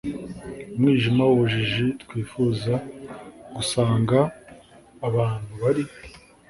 umwijima w’ubujiji twifuza gusanga abantu bari